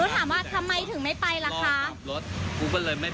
ทำไมถึงไม่ไปเพราะอะไร